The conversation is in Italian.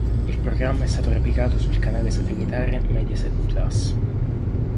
Il programma è stato replicato sul canale satellitare Mediaset Plus.